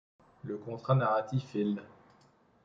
Le contrat narratif est l'.